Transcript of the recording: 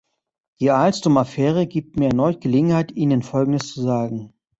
Die Alstom-Affäre gibt mir erneut Gelegenheit, Ihnen Folgendes zu sagen.